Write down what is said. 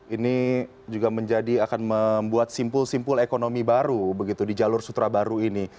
ini juga menjadi akan membuat simpul simpul ekonomi baru begitu di jalur sutra baru ini